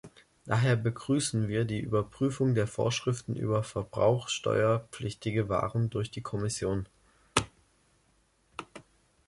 Daher begrüßen wir die Überprüfung der Vorschriften über verbrauchsteuerpflichtige Waren durch die Kommission.